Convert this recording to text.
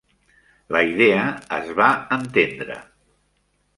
La idea es va entendre.